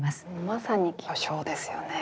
まさに巨匠ですよね。